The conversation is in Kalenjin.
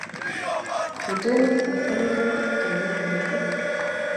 Kiitonon askarikab ortinwek mising